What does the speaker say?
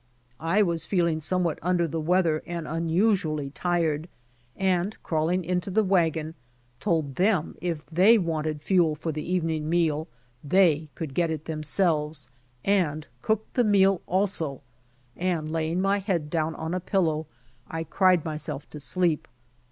I was feeling somewhat under the weather and unusually tired, and crawling into the wagon told them if they wanted fuel for the evening meal they could get it themselves and cook the mteal also, and laying my head down on a pillow, I cried myself to sleep.